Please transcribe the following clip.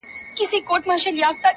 ها د فلسفې خاوند ها شتمن شاعر وايي,